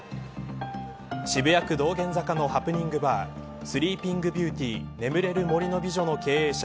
渋谷区道玄坂のハプニングバースリーピングビューティー眠れる森の美女の経営者